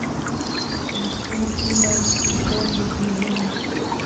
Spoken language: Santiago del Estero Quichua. cercopi achka choclo tiyan